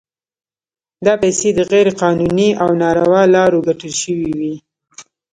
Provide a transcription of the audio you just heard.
دا پیسې د غیر قانوني او ناروا لارو ګټل شوي وي.